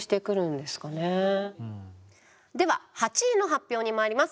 では８位の発表にまいります。